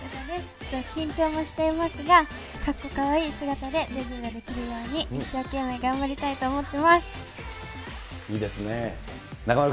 緊張もしていますが、かっこかわいい姿でデビューができるように、一生懸命頑張りいいですね。